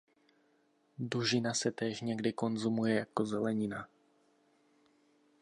Dužina se též někdy konzumuje jako zelenina.